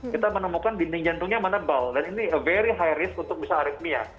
kita menemukan dinding jantungnya menebal dan ini a very high risk untuk bisa aritmia